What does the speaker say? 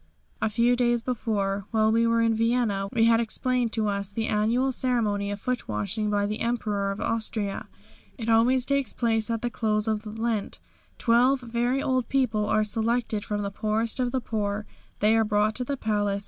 A few days before, while we were in Vienna, we had explained to us the annual ceremony of foot washing by the Emperor of Austria. It always takes place at the close of Lent. Twelve very old people are selected from the poorest of the poor. They are brought to the palace.